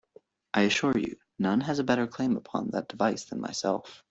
I assure you, none has a better claim upon that device than myself.